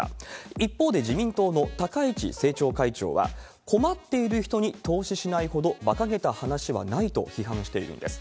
一方で、自民党の高市政調会長は、困っている人に投資しないほどばかげた話はないと批判しているんです。